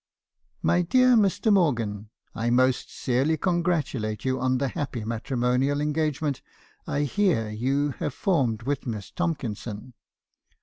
" 'My dear Mr. Morgan, — I most sincerely congratulate you on the happy matrimonial engagement I hear you have formed with Miss Tomkinson.